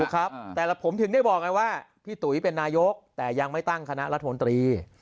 ครับแต่ผมถึงได้บอกไงว่าพี่ตุ๋ยเป็นนายกแต่ยังไม่ตั้งคณะรัฐมนตรี